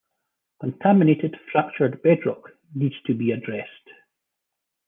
Contaminated fractured bedrock needs to be addressed.